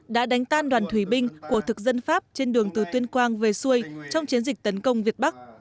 đã đánh tan đoàn thủy binh của thực dân pháp trên đường từ tuyên quang về xuôi trong chiến dịch tấn công việt bắc